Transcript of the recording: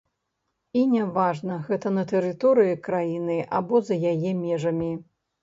І не важна, гэта на тэрыторыі краіны або за яе межамі.